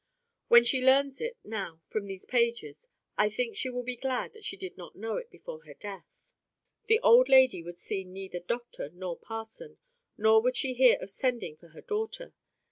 When she learns it now from these pages I think she will be glad that she did not know it before her death. The old lady would see neither doctor nor parson; nor would she hear of sending for her daughter.